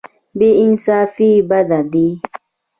بې انصافي بد دی.